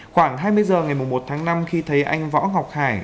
khoảng hai mươi h ngày một tháng năm khi thấy anh võ ngọc hải